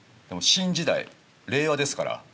でも新時代令和ですから。